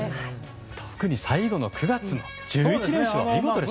特に最後の９月の１１連勝は見事でした。